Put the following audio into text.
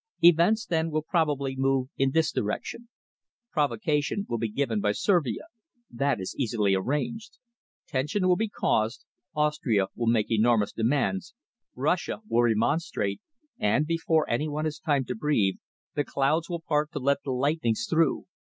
Events, then, will probably move in this direction. Provocation will be given by Servia. That is easily arranged. Tension will be caused, Austria will make enormous demands, Russia will remonstrate, and, before any one has time to breathe, the clouds will part to let the lightnings through.